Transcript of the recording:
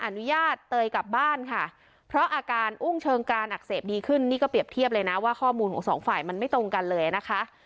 อนุญาตเตยกลับบ้านค่ะเพราะอาการอุ้งเชิงการอักเสบดีขึ้นนี่ก็เปรียบเทียบเลยนะว่าข้อมูลของสองฝ่ายมันไม่ตรงกันเลยนะคะ